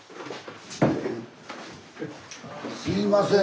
すいません